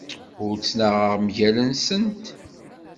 Ur ttnaɣeɣ mgal-nsent.